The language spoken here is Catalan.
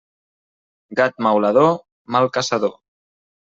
Gat maulador, mal caçador.